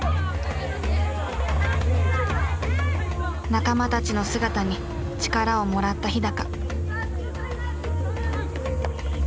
仲間たちの姿に力をもらった日。